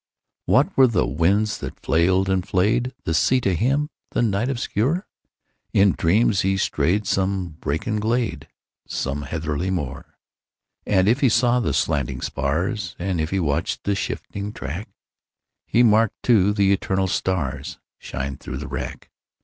What were the winds that flailed and flayedThe sea to him, the night obscure? In dreams he strayed some brackened glade, Some heathery moor. And if he saw the slanting spars, And if he watched the shifting track, He marked, too, the eternal starsShine through the wrack.